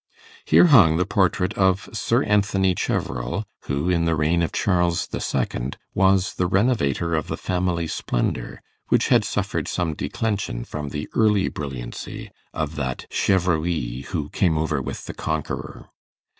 Here hung the portrait of Sir Anthony Cheverel, who in the reign of Charles II. was the renovator of the family splendour, which had suffered some declension from the early brilliancy of that Chevreuil who came over with the Conqueror.